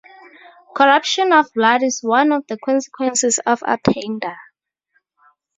Corruption of blood is one of the consequences of attainder.